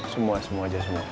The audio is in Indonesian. semuanya aja semua